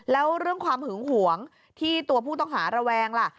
แล้วเรื่องความหึงหวงที่ตัวผู้ต้องหาระแวงล่ะ